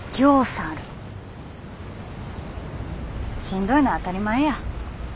しんどいのは当たり前や。